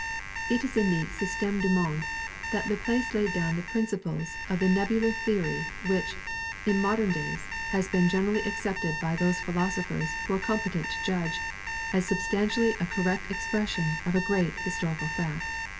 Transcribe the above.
It is in the "Systeme du Monde" that Laplace laid down the principles of the Nebular Theory which, in modern days, has been generally accepted by those philosophers who are competent to judge, as substantially a correct expression of a great historical fact.